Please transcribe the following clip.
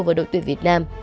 với đội tuyển việt nam